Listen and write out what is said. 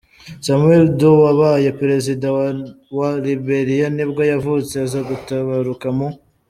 Samuel Doe, wabaye perezida wa wa Liberiya nibwo yavutse, aza gutabaruka mu .